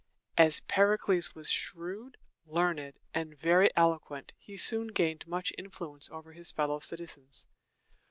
As Pericles was shrewd, learned, and very eloquent, he soon gained much influence over his fellow citizens.